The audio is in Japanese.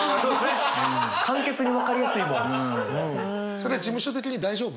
それ事務所的に大丈夫？